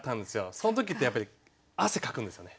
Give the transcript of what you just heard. その時ってやっぱり汗かくんですよね。